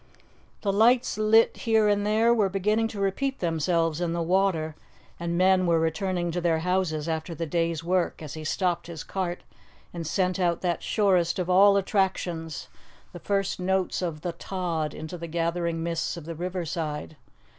The lights lit here and there were beginning to repeat themselves in the water, and men were returning to their houses after the day's work as he stopped his cart and sent out that surest of all attractions, the first notes of 'The Tod,' into the gathering mists of the river side.